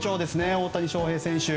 大谷翔平選手。